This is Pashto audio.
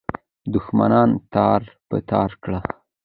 دښمنان تار په تار کړه.